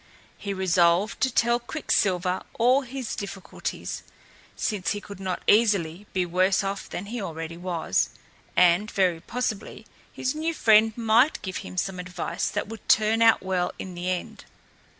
He resolved to tell Quicksilver all his difficulties, since he could not easily be worse off than he already was, and, very possibly, his new friend might give him some advice that would turn out well in the end.